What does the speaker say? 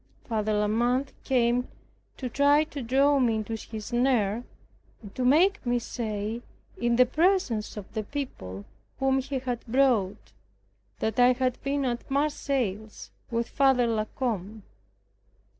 Father La Mothe came to try to draw me into his snare, and to make me say, in the presence of the people whom he had brought, that I had been at Marseilles with Father La Combe.